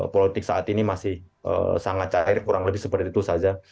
politik saat ini masih sangat cair kurang lebih seperti itu saja